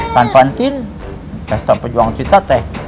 tantuan entin best of pejuang kita teh